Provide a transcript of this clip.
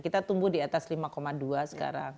kita tumbuh di atas lima dua sekarang